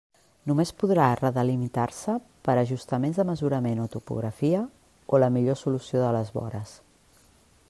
Només podrà redelimitar-se per a ajustaments de mesurament o topografia o la millor solució de les vores.